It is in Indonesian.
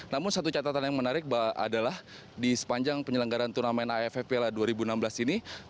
namun satu catatan yang menarik adalah di sepanjang penyelenggaran turnamen aff piala dua ribu enam belas ini